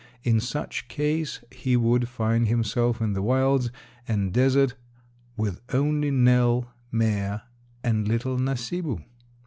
In such case he would find himself in the wilds and desert with only Nell, Mea, and little Nasibu.